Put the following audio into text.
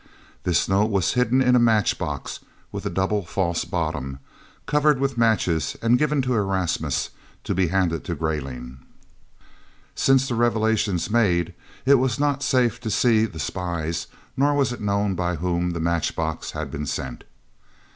This note was hidden in a match box with a double false bottom, covered with matches, and given to Erasmus to be handed to Greyling. Since the revelations made, it was not safe to see the spies, nor was it known by whom the match box had been sent.